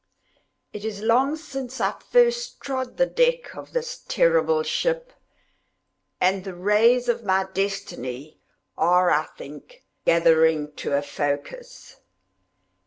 It is long since I first trod the deck of this terrible ship, and the rays of my destiny are, I think, gathering to a focus.